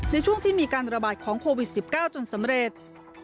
ในช่วงที่มีการระบาดของโควิด๑๙จนสำเร็จ